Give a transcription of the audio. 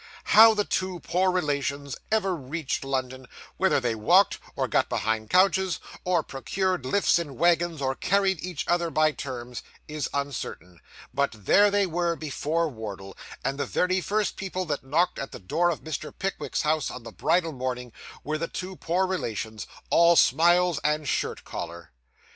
How the two poor relations ever reached London whether they walked, or got behind coaches, or procured lifts in wagons, or carried each other by turns is uncertain; but there they were, before Wardle; and the very first people that knocked at the door of Mr. Pickwick's house, on the bridal morning, were the two poor relations, all smiles and shirt collar.